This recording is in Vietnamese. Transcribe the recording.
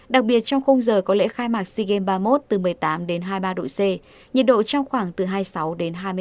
đặc biệt trong khung giờ có lễ khai mạc sea games ba mươi một từ một mươi tám hai mươi ba độ c nhiệt độ trong khoảng từ hai mươi sáu hai mươi tám độ